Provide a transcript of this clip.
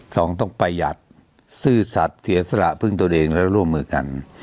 สองต้องประหยัดซื่อสัตว์เสียสละพึ่งตัวเองและร่วมมือกัน